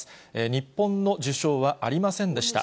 日本の受賞はありませんでした。